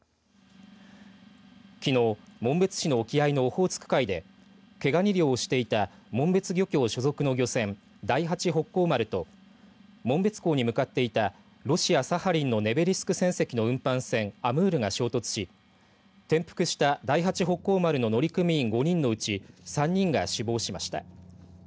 きのう、紋別市の沖合のオホーツク海で毛ガニ漁をしていた紋別漁協所属の漁船第八北幸丸と紋別港に向かっていたロシア、サハリンのネベリスク船籍の運搬船ＡＭＵＲが衝突し転覆した第八北幸丸の乗組員５人のうち３人が死亡しました。